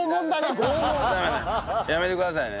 やめてくださいね。